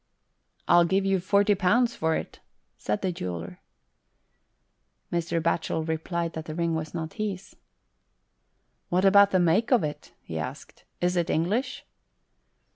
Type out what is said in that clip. " I'll give you forty pounds for it," said the jeweller. Mr. Batchel replied that the ring was not his. " What about the make of it ?" he asked. " Is it English